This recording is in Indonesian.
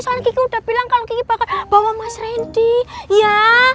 soalnya kiki udah bilang kalau kiki bakal bawa mas randy ya